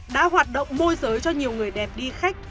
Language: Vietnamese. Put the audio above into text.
đã hoạt động môi giới cho nhiều người đẹp đi khách